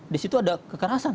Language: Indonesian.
di situ ada kekerasan